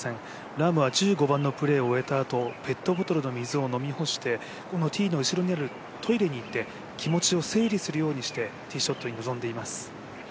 ラームは１５番のプレーを終えたあとペットボトルの水を飲み干して、ティーの後ろにあるトイレに行って気持ちを整理するようにしてティーショットに臨んでいます。